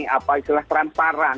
apa istilah transparan